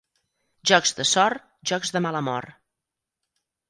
Jocs de sort, jocs de mala mort.